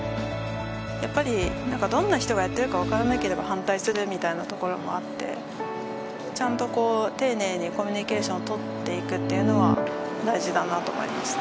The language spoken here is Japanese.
やっぱりどんな人がやってるか分からなければ反対するみたいなところもあってちゃんと丁寧にコミュニケーションを取っていくっていうのは大事だなと思いました